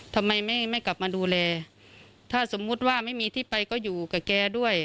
ทำไมไม่ไม่กลับมาดูแลถ้าสมมุติว่าไม่มีที่ไปก็อยู่กับแกด้วย